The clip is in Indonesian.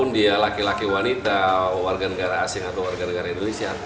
dia laki laki wanita warga negara asing atau warga negara indonesia